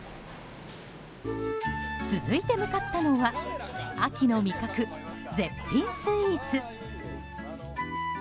続いて向かったのは秋の味覚、絶品スイーツ。